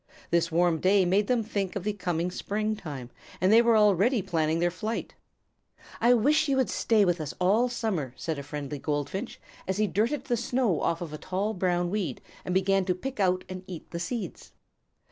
This warm day made them think of the coming springtime, and they were already planning their flight. "I wish you would stay with us all summer," said a friendly Goldfinch, as he dirted the snow off from a tall brown weed and began to pick out and eat the seeds.